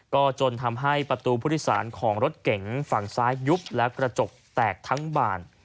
ก็จนทำให้ประตูผู้โดยสารของรถเก๋งฝั่งซ้ายยุบและกระจกแตกทั้งบาน